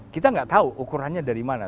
kita nggak tahu ukurannya dari mana